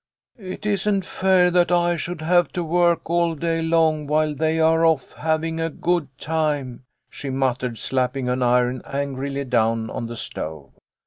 " It isn't fair that I should have to work all day long while they are off having a good time," she muttered, slapping an iron angrily down on the stove.